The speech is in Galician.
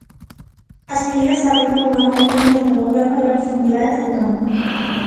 As medidas abriron unha nova fronte entre o Goberno e varias comunidades autónomas.